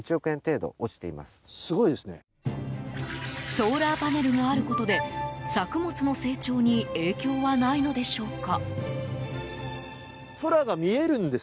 ソーラーパネルがあることで作物の成長に影響はないのでしょうか？